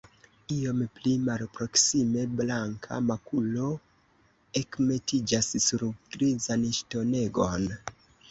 Iom pli malproksime, blanka makulo ekmetiĝas sur grizan ŝtonegon.